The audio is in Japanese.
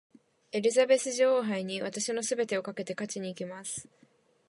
エリザベス女王杯に私の全てをかけて勝ちにいきます。